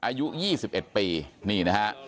อายุ๒๑ปี